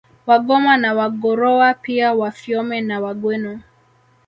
Wagoma na Wagorowa pia Wafiome na Wagweno